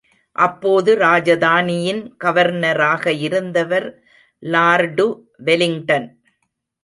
அப்போது ராஜதானியின் கவர்னராக இருந்தவர் லார்டு வெலிங்டன்.